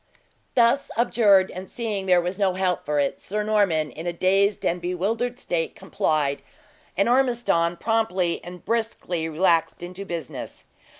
Thus abjured, and seeing there was no help for it, Sir Norman, in a dazed and bewildered state, complied; and Ormiston promptly and briskly relaxed into business.